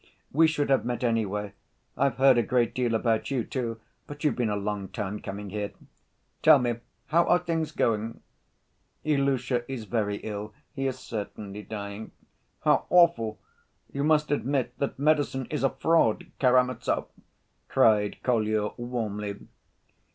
"We should have met anyway. I've heard a great deal about you, too; but you've been a long time coming here." "Tell me, how are things going?" "Ilusha is very ill. He is certainly dying." "How awful! You must admit that medicine is a fraud, Karamazov," cried Kolya warmly.